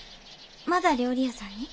まだ料理屋さんに？